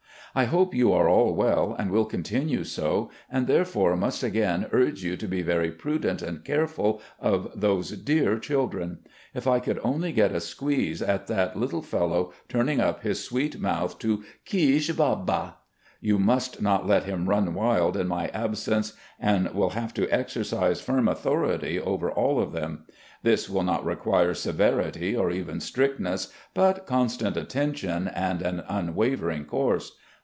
I hope you are all well and will continue so, and, therefore, must again urge you to be very prudent and careful of those dear children. If I could only get a squeeze at that little fellow, turning up his sweet mouth to ' keese baba 1 ' You must not let him run wild in my absence, and will have to exercise firm authority over aU of them. This will not require severity or even strictness, but constant attention and an tmwavering course.